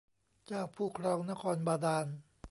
เจ้าผู้ครองนครบาดาล